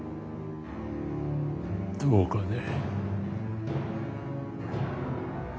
どうかね？